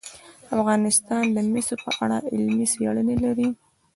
افغانستان د مس په اړه علمي څېړنې لري.